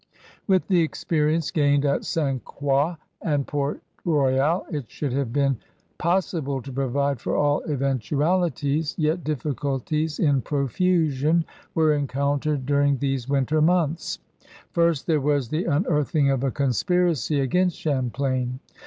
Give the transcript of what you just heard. With the experience gained at St. Croix and Port Royal it should have been possible to provide for all eventualities, yet di£Sculties in profusion were encountered during these winter months. First there was the unearthing of a conspiracy against Champlain.